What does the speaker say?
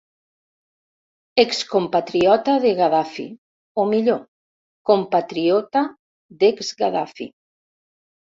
Ex compatriota de Gaddafi o, millor, compatriota d'ex Gaddafi.